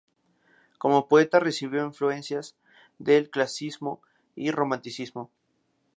Como poeta recibió influencias del clasicismo y el romanticismo.